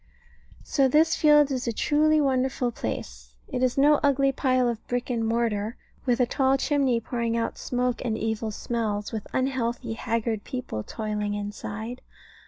So this field is a truly wonderful place. It is no ugly pile of brick and mortar, with a tall chimney pouring out smoke and evil smells, with unhealthy, haggard people toiling inside.